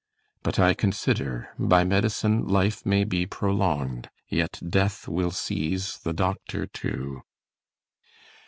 But I consider By med'cine'life may be prolong'd, yet death Will seize the doctor too.